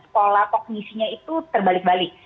pola kognisinya itu terbalik balik